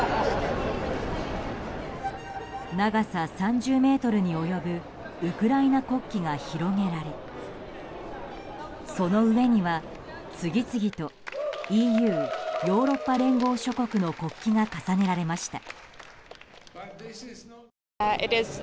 長さ３０ｍに及ぶウクライナ国旗が広げられその上には次々とＥＵ・ヨーロッパ連合諸国の国旗が重ねられました。